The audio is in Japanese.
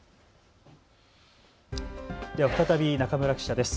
では再び中村記者です。